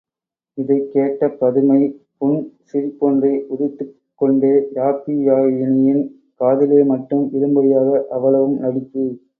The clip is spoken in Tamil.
இதைக்கேட்ட பதுமை புன் சிரிப்பொன்றை உதிர்த்துக் கொண்டே யாப்பியாயினியின் காதிலே மட்டும் விழும்படியாக அவ்வளவும் நடிப்பு.